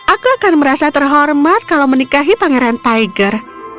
aku akan merasa terhormat kalau menikahi pangeran tiger